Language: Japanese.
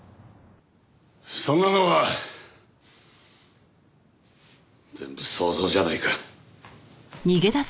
そんなのは全部想像じゃないか。